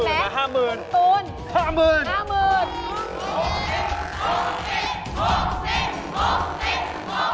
ราคาอยู่ที่